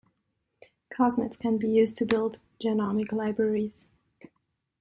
Cosmids can be used to build genomic libraries.